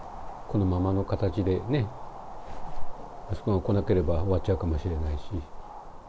このままの形で、息子が来なければ、終わっちゃうかもしれないし。